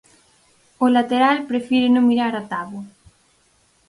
O lateral prefire non mirar a táboa.